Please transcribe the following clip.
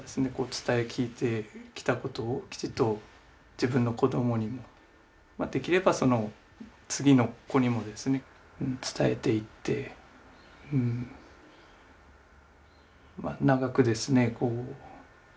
伝え聞いてきたことをきちっと自分の子どもにもできればその次の子にもですね伝えていってうん長くですね